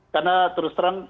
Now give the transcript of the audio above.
karena terus terang